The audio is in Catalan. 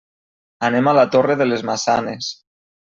Anem a la Torre de les Maçanes.